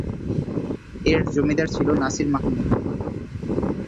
এর জমিদার ছিলেন নাসির মাহমুদ।